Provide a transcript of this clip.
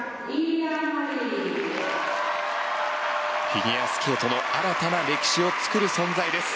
フィギュアスケートの新たな歴史を作る存在です。